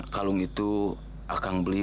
kalung itu akan beli